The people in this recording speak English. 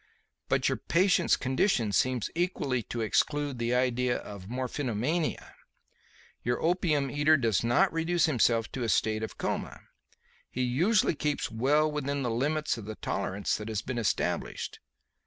But the patient's condition seems equally to exclude the idea of morphinomania. Your opium eater does not reduce himself to a state of coma. He usually keeps well within the limits of the tolerance that has been established.